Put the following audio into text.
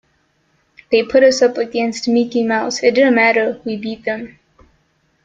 They put us up against Mickey Mouse, it didn't matter, we beat them.